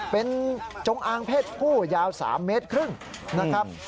เป็นจงอางเพศผู้ยาว๓เมตรครึ่งนะครับ